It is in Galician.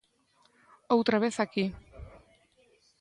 Outra vez aquí.